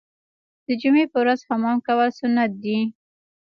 د جمعې په ورځ حمام کول سنت دي.